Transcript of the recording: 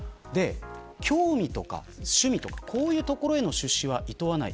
興味とか趣味とか、こういうところへの出資はいとわない。